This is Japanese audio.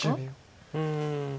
うん。